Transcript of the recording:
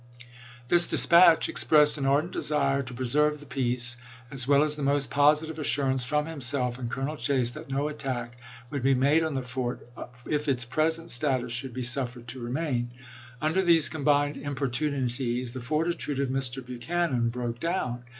This dispatch expressed an ardent desire to pre serve the peace, as well as the most positive assur ance from himself and Colonel Chase that no attack "£J*& would be made on the fort if its present status tioiv'p.215. should be suffered to remain." Under these com bined importunities the fortitude of Mr. Buchanan broke down.